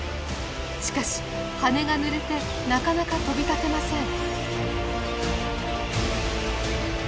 しかし羽がぬれてなかなか飛び立てません。